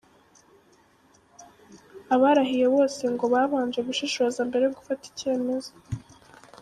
Abarahiye bose ngo babanje gushishoza mbere yo gufata icyemezo.